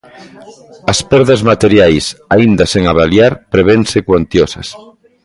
As perdas materiais, aínda sen avaliar, prevense cuantiosas.